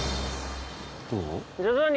どう？